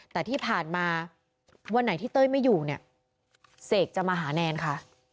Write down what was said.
แต่ที่ผ่านมาวันไหนที่เต้ยไม่อยู่เนี่ยเสกจะมาหาแนนค่ะ